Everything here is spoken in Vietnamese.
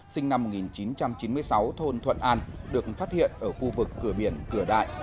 sinh năm một nghìn chín trăm chín mươi sáu thôn thuận an được phát hiện ở khu vực cửa biển cửa đại